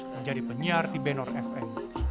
menjadi penyiar di benor fn